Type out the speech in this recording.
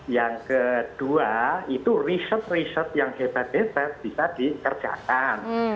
yang kedua itu riset riset yang hebat hebat bisa dikerjakan